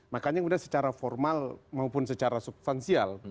makanya kemudian secara formal maupun secara substansial